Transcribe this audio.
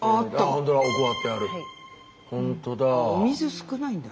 ほんとだ。